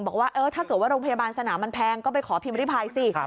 บอกว่าถ้าเกิดว่าโรงพยาบาลสนามมันแพงก็ไปขอพิมพิริพายสิ